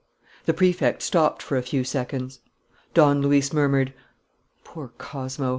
The Prefect stopped for a few seconds. Don Luis murmured: "Poor Cosmo!